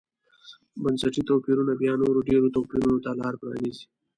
بنسټي توپیرونه بیا نورو ډېرو توپیرونو ته لار پرانېزي.